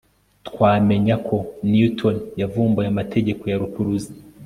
twamenye ko newton yavumbuye amategeko ya rukuruzi